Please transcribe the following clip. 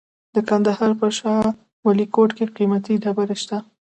د کندهار په شاه ولیکوټ کې قیمتي ډبرې شته.